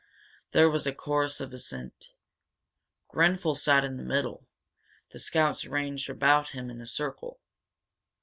There was a chorus of assent. Grenfel sat in the middle, the scouts ranged about him in a circle.